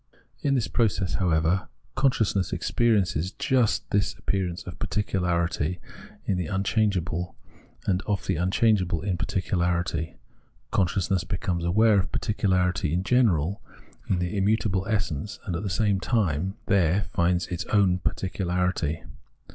In this process, however, consciousness experiences just this appearance of particularity in the unchange able, and of the unchangeable in particularity. Con sciousness becomes aware of particularity in general in the immutable essence, and at the same time it there finds its own particularity.